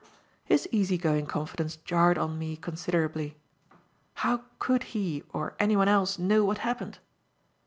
His easy going confidence jarred on me considerably. How could he, or anyone else, know what happened?